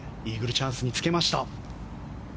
チャンスにつけました。